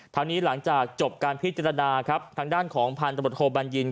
ทั้งนี้หลังจากจบการพิจารณาทางด้านของพันธบทบัญญินตร์